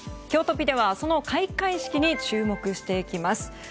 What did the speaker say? きょうトピではその開会式に注目していきます。